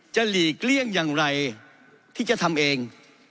หลีกเลี่ยงอย่างไรที่จะทำเอง